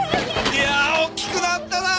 いやあ大きくなったな！